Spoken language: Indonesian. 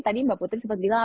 tadi mbak putri sempat bilang